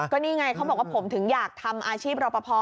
ก็นี่ไงเขาบอกว่าผมถึงอยากทำอาชีพรอปภ